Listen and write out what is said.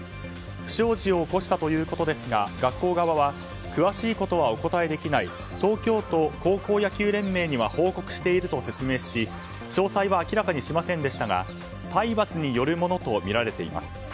不祥事を起こしたということですが学校側は詳しいことはお答えできない東京都高校野球連盟には報告していると説明し詳細は明らかにしませんでしたが体罰によるものとみられています。